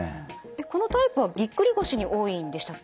このタイプはぎっくり腰に多いんでしたっけ？